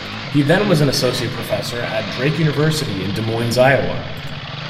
He then was an associate professor at Drake University in Des Moines, Iowa.